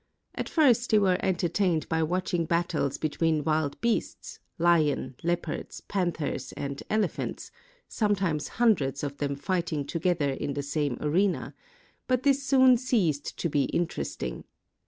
At first they were entertained by watching battles between wild beasts, lions, leopards, panthers, and elephants, sometimes hundreds of them fighting together in the same arena; but this soon ceased to be interesting.